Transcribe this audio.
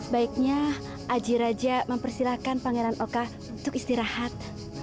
baiknya aji raja mempersilahkan pangeran oka untuk istirahat